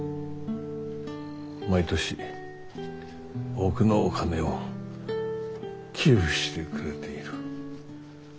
毎年多くのお金を寄付してくれている。